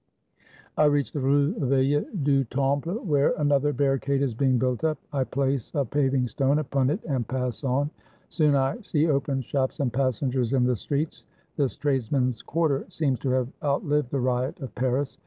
I reach the Rue Vieille du Temple, where another barricade is being built up. I place a paving stone upon it and pass on. Soon I see open shops and passengers in the streets. This tradesmen's quarter seems to have outlived the riot of Paris.